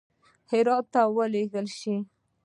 هرات ته ولېږل سي.